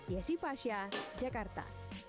yesy pasha jakarta